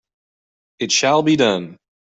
It shall be done!